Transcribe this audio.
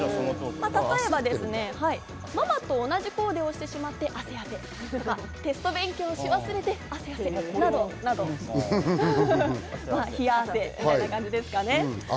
例えば、ママと同じコーデをしてしまってアセアセとか、テキスト勉強し忘れてアセアセなど、冷や汗のような感じですかね。